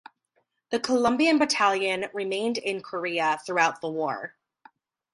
The Colombian Battalion remained in Korea throughout the war.